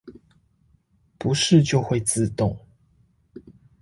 不是就會自動